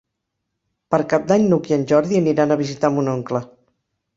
Per Cap d'Any n'Hug i en Jordi aniran a visitar mon oncle.